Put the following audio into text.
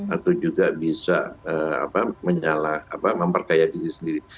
atau juga bisa apa menyalah apa memperkaya diri sendiri